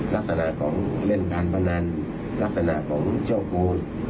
ลักษณะของเล่นพันธุ์พันธานลักษณะของเจ้าครู